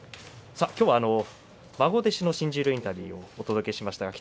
きょうは孫弟子の新十両インタビューをお届けしました。